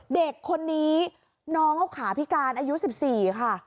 เด็กคนนี้น้องเขาขาพิการอายุ๑๔ค่ะ